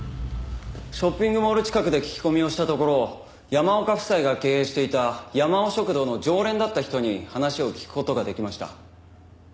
ショッピングモール近くで聞き込みをしたところ山岡夫妻が経営していたやまお食堂の常連だった人に話を聞く事ができました。